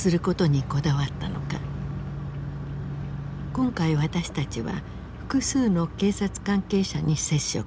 今回私たちは複数の警察関係者に接触。